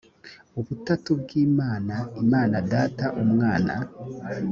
ubutatu bw imana imana data umwana